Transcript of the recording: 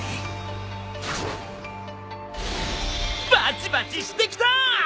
バチバチしてきた！